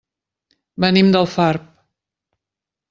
Venim d'Alfarb.